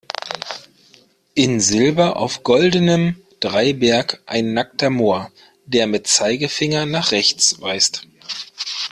In Silber auf goldenem Dreiberg ein nackter Mohr, der mit Zeigefinger nach rechts weist.